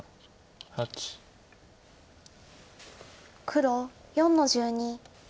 黒４の十二。